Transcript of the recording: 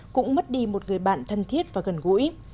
cũng mất đi một người bạn thân thiết và gần gũi